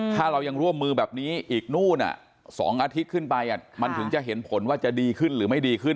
ถ้าเรายังร่วมมือแบบนี้อีกนู่น๒อาทิตย์ขึ้นไปมันถึงจะเห็นผลว่าจะดีขึ้นหรือไม่ดีขึ้น